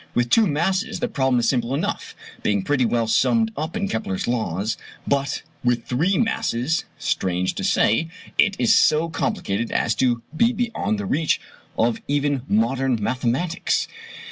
With two masses the problem is simple enough, being pretty well summed up in Kepler's laws; but with three masses, strange to say, it is so complicated as to be beyond the reach of even modern mathematics.